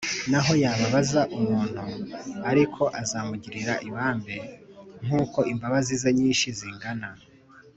Naho yababaza umuntu ariko azamugirira ibambe, Nk’uko imbabazi ze nyinshi zingana.